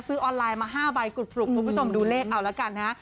ซื้อออนไลน์มา๕ใบกรุดปลุกคุณผู้ชมดูเลขเอาแล้วกันนะ